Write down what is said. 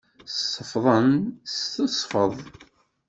Sefḍent s tesfeḍt.